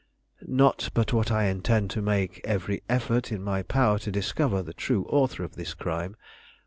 "Not but what I intend to make every effort in my power to discover the true author of this crime.